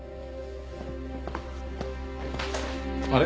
あれ？